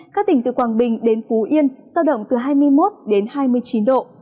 các tỉnh từ quảng bình đến phú yên giao động từ hai mươi một đến hai mươi chín độ